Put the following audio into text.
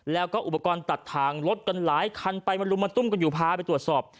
แล้วก็อุปกรณ์ตัดทางรถกันหลายคันไปมาลุมมาตุ้มกันอยู่พาไปตรวจสอบ